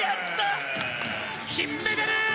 金メダル！